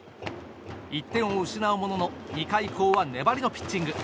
１点を失うものの２回以降は粘りのピッチング。